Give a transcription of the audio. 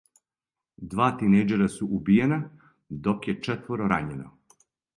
Два тинејџера су убијена, док је четворо рањено.